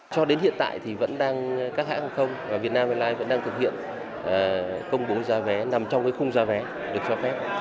cho đến hiện tại thì vẫn đang các hãng hàng không và việt nam airlines vẫn đang thực hiện công bố giá vé nằm trong khung giá vé được cho phép